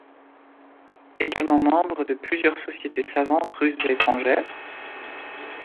Egalement membre de plusieurs sociétés savantes russes et étrangères?